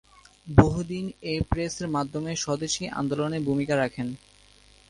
বহু দিন এ প্রেসের মাধ্যমে স্বদেশী আন্দোলনে ভূমিকা রাখেন।